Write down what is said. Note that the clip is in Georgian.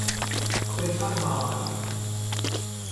ქვეწარმავალი